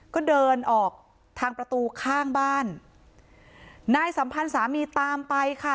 ก็เดินออกทางประตูข้างบ้านนายสัมพันธ์สามีตามไปค่ะ